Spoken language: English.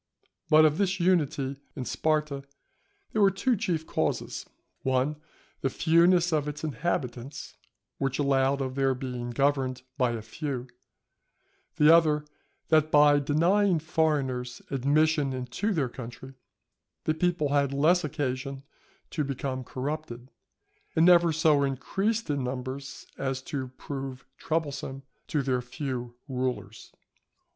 But of this unity in Sparta there were two chief causes: one, the fewness of its inhabitants, which allowed of their being governed by a few; the other, that by denying foreigners admission into their country, the people had less occasion to become corrupted, and never so increased in numbers as to prove troublesome to their few rulers.